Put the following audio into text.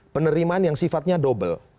penerimaan yang sifatnya dobel